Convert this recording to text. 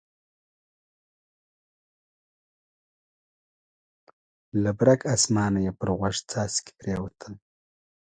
له برګ اسمانه یې پر غوږ څاڅکي پرېوتل.